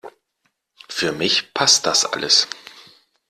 Für mich passt das alles.